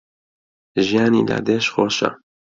ژیانی لادێش خۆشە